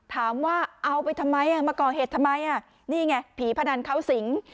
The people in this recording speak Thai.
ถามว่าเอาไปทำไมมาก่อเหตุทำไมนี่ไงผีพนันเขาสิง